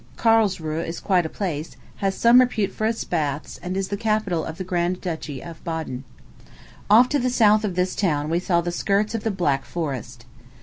Carlsruhe is quite a place, has some repute for its baths, and is the capital of the grand duchy of Baden. Off to the south of this town we saw the skirts of the Black Forest.